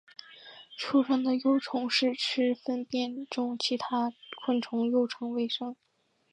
出生的幼虫是吃粪便中其他昆虫幼虫为生。